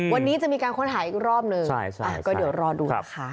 วันนี้จะมีการค้นหาอีกรอบหนึ่งก็เดี๋ยวรอดูนะคะ